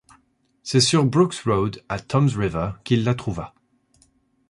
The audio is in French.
C'est sur Brooks Road, à Toms River, qu'il la trouva.